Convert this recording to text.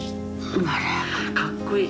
あらかっこいい。